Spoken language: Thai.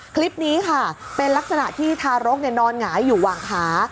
คลิปนี้ค่ะเป็นลักษณะที่ทารกนอนหงายอยู่วางขา